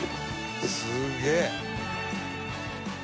「すげえ！」